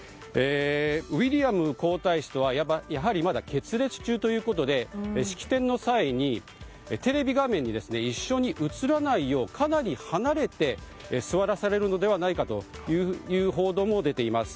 ウィリアム皇太子とはやはりまだ決裂中ということで式典の際にテレビ画面に一緒に映らないようかなり離れて座らされるのではないかという報道も出ています。